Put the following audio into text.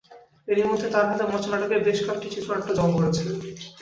এরই মধ্যে তাঁর হাতে মঞ্চ নাটকের বেশ কয়েকটি চিত্রনাট্য জমা পড়েছে।